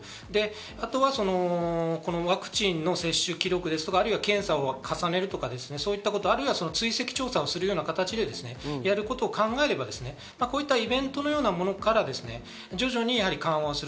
あとはワクチンの接種記録ですとか検査を重ねるとか、追跡調査をするような形でやることを考えれば、こういったイベントのようなものから徐々に緩和する。